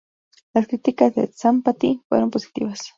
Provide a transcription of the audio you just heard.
Las críticas de "Sympathy" fueron positivas.